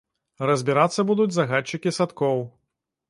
Разбірацца будуць загадчыкі садкоў.